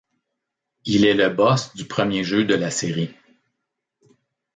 Il est le boss du premier jeu de la série.